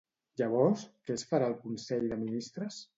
Llavors, què es farà al Consell de Ministres?